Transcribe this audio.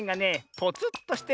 ポツっとしてる？